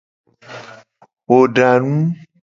Wo da nu.